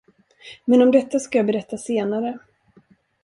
Men om detta skall jag berätta senare.